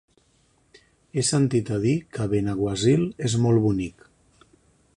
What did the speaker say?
He sentit a dir que Benaguasil és molt bonic.